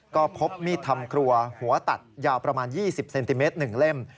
ก็พบมีดทำครัวหัวตัดยาวประมาณ๒๐เซนติเมตร๑เล่ม